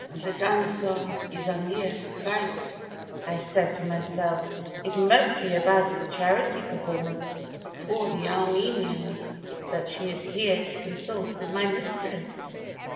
The dancer is a mere sprite! I said to myself, 'It must be about the charity performance for the Armenians that she is here to consult with my mistress'!"